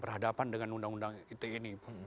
berhadapan dengan undang undang ite ini